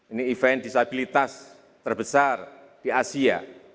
ini event disabilitas terbesar di asia